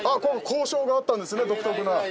交渉があったんですね独特な。